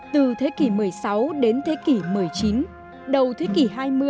từ thế kỷ một mươi sáu đến thế kỷ một mươi chín đầu thế kỷ hai mươi